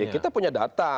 kita punya data